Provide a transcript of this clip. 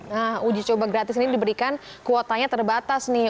nah uji coba gratis ini diberikan kuotanya terbatas nih